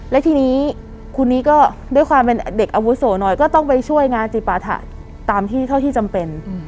และทีนี้คุณนี้ก็ด้วยความเป็นเด็กอาวุโสหน่อยก็ต้องไปช่วยงานจิปาถะตามที่เท่าที่จำเป็น